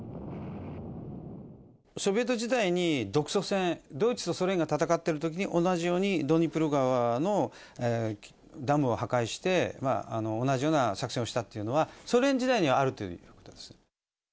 ソビエト時代に独ソ戦、ドイツとソ連が戦ってるときに、同じようにドニプロ川のダムを破壊して、同じような作戦をしたっていうのは、ソ連時代にはあるということです。